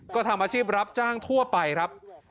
ก็ทำอาชีพรับจ้างทั่วไปครับ